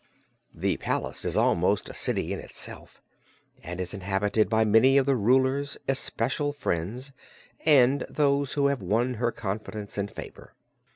The palace is almost a city in itself and is inhabited by many of the Ruler's especial friends and those who have won her confidence and favor.